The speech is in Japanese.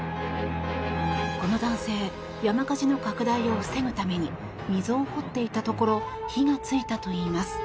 この男性山火事の拡大を防ぐために溝を掘っていたところ火がついたといいます。